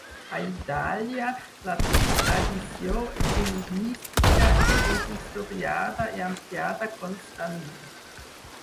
A Itàlia, la tradició enigmística és historiada i ampliada constantment.